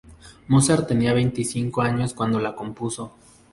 Mozart tenía veinticinco años cuando la compuso.